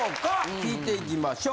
聞いていきましょう！